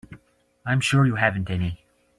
I'm sure you haven't any.